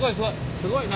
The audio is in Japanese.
すごいな。